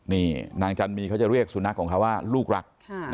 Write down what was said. นี่นางจันมีเขาจะเรียกสุนัขของเขาว่าลูกรัก